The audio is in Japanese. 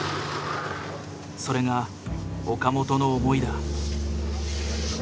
それが岡本の思いだ。